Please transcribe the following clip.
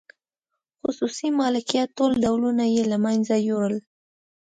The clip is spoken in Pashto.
خصوصي مالکیت ټول ډولونه یې له منځه یووړل.